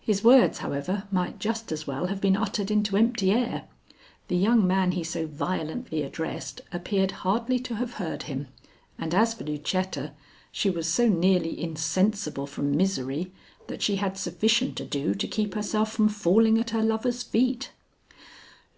His words, however, might just as well have been uttered into empty air. The young man he so violently addressed appeared hardly to have heard him, and as for Lucetta, she was so nearly insensible from misery that she had sufficient ado to keep herself from falling at her lover's feet.